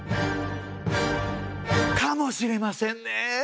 かもしれませんねえ。